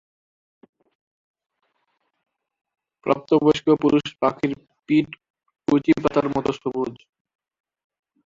প্রাপ্তবয়স্ক পুরুষ পাখির পিঠ কচি পাতার মত সবুজ।